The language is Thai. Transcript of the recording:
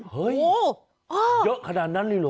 เฮ้ยเยอะขนาดนั้นเลยเหรอ